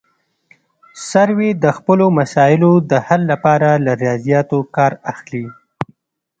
سروې د خپلو مسایلو د حل لپاره له ریاضیاتو کار اخلي